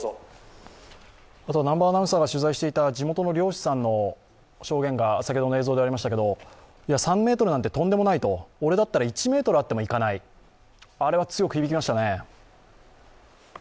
南波アナウンサーが取材していた地元の漁師さん、先ほどの映像でありましたけど３ｍなんてとんでもない、俺だったら１ｍあっても行かない、あれは強く響きましたね。